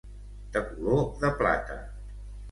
De color de plata.